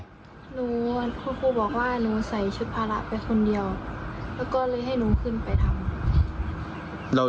ครูบอกว่าน้องใส่ชุดพาระไปคนเดียวแล้วก็เลยให้น้องขึ้นไปทำ